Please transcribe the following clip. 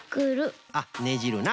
あっ「ねじる」な。